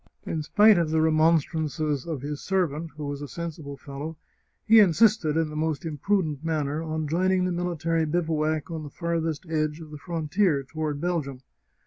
In spite of the remonstrances of his servant, who was a sensible fellow, he insisted, in the most imprudent manner, on joining the military bivouac on the farthest edge of the frontier toward Belgium.